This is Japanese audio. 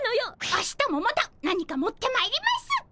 明日もまた何か持ってまいります。